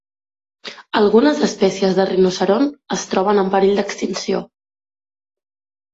Algunes espècies de rinoceront es troben en perill d'extinció.